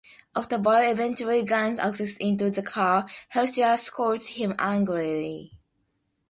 After Barry eventually gains access into the car, Heather scolds him angrily.